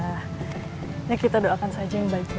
alhamdulillah kita doakan saja yang baik baik untuk